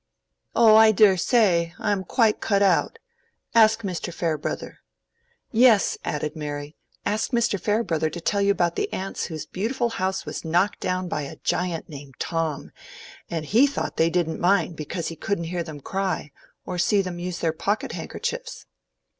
"Oh, I dare say; I am quite cut out. Ask Mr. Farebrother." "Yes," added Mary; "ask Mr. Farebrother to tell you about the ants whose beautiful house was knocked down by a giant named Tom, and he thought they didn't mind because he couldn't hear them cry, or see them use their pocket handkerchiefs."